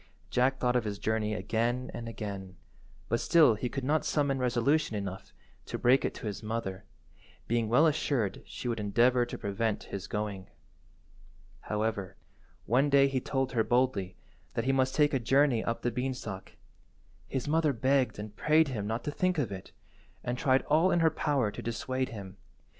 Jack thought of his journey again and again, but still he could not summon resolution enough to break it to his mother, being well assured she would endeavour to prevent his going. However, one day he told her boldly that he must take a journey up the beanstalk. His mother begged and prayed him not to think of it, and tried all in her power to dissuade him.